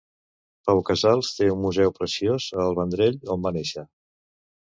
Pau Casals té un museu preciós a El Vendrell, on va néixer.